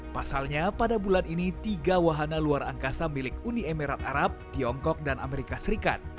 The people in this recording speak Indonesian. pasalnya pada bulan ini tiga wahana luar angkasa milik uni emirat arab tiongkok dan amerika serikat